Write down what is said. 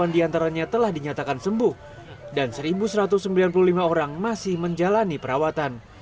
enam tiga ratus tiga puluh delapan diantaranya telah dinyatakan sembuh dan satu satu ratus sembilan puluh lima orang masih menjalani perawatan